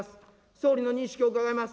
総理の認識を伺います。